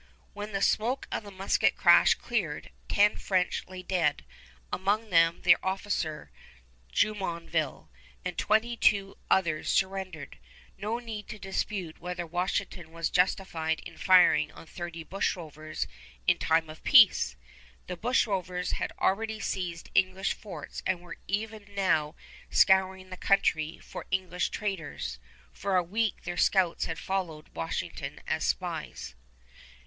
When the smoke of the musket crash cleared, ten French lay dead, among them their officer, Jumonville; and twenty two others surrendered. No need to dispute whether Washington was justified in firing on thirty bush rovers in time of peace! The bushrovers had already seized English forts and were even now scouring the country for English traders. For a week their scouts had followed Washington as spies.